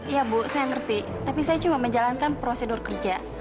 iya bu saya ngerti tapi saya cuma menjalankan prosedur kerja